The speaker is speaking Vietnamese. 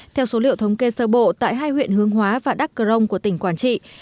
theo số liệu thống kê sơ bộ tại hai huyện hướng hóa và đắk cờ rông của tỉnh quản trị